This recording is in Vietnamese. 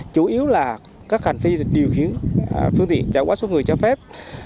chủ yếu là các hành vi điều khiển phương tiện chạy quá số người cho phép